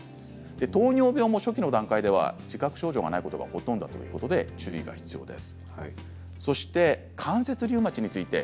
糖尿病の初期の段階では自覚症状がないことがほとんどで注意が必要です。